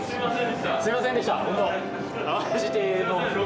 すいませんでした。